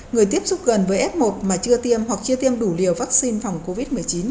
người tiếp xúc gần với f một mà chưa tiêm hoặc chưa tiêm đủ liều vaccine phòng covid một mươi chín